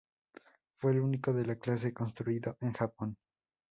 Fue el único de la clase construido en Japón.